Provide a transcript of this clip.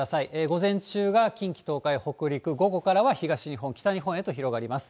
午前中が近畿、東海、北陸、午後からは東日本、北日本へと広がります。